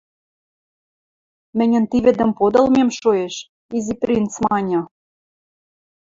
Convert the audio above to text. — Мӹньӹн ти вӹдӹм подылмем шоэш, — Изи принц маньы.